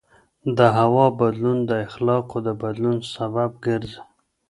د هوا بدلون د اخلاقو د بدلون سبب ګرځي.